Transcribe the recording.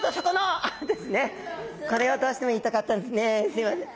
すいません。